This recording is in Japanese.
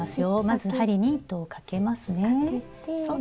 まず針に糸をかけますね。